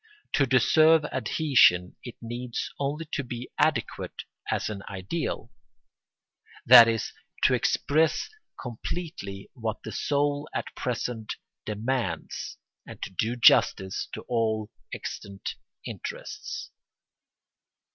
To deserve adhesion it needs only to be adequate as an ideal, that is, to express completely what the soul at present demands, and to do justice to all extant interests.